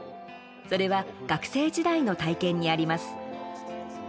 それは学生時代の体験にあります。